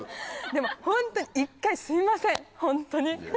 でもホントに一回すいませんホントに。